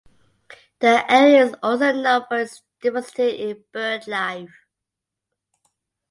The area is also known for its diversity in bird life.